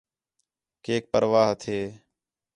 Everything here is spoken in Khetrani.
کیک پرواہ ہتھے